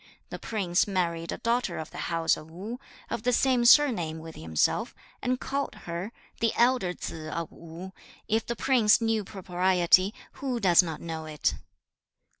The prince married a daughter of the house of Wu, of the same surname with himself, and called her, "The elder Tsze of Wu." If the prince knew propriety, who does not know it?'